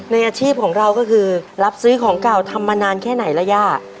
อาชีพของเราก็คือรับซื้อของเก่าทำมานานแค่ไหนล่ะย่า